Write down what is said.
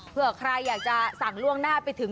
เพื่อใครอยากจะสั่งล่วงหน้าไปถึง